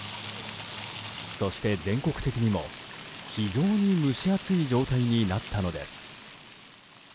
そして全国的にも、非常に蒸し暑い状態になったのです。